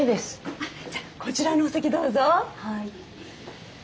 あっじゃあこちらのお席どうぞ。